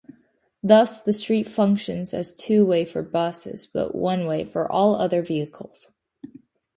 Thus, the street functions as two-way for buses, but one-way for all other vehicles.